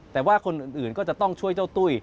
แต่ว่าคนอื่นก็จะต้องช่วยเจ้าตุ้ย